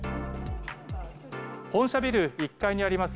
本社ビル１階にあります